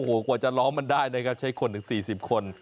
โอ้โหกว่าจะล้อมมันได้นะครับใช้คนถึง๔๐คน